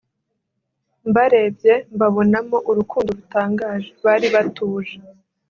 Mbarebye mbabonamo urukundo rutangaje bari batuje